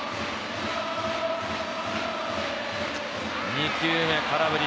２球目、空振り。